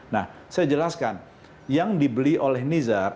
nah saya jelaskan yang dibeli oleh nizar